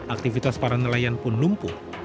aktivitas para nelayan pun lumpuh